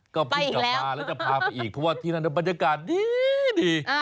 ก็เพิ่งกลับมาแล้วจะพาไปอีกเพราะว่าที่นั่นบรรยากาศดี